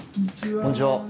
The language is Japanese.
こんにちは。